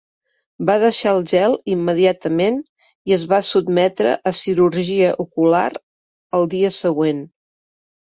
Va deixar el gel immediatament i es va sotmetre a cirurgia ocular el dia següent.